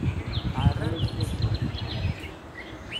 Ɛerran-t di ssuq.